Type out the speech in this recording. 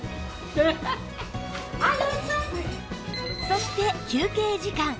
そして休憩時間